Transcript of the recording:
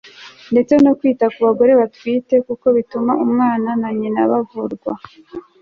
ndetse no kwita ku bagore batwite kuko bituma umwana na nyina bavurwa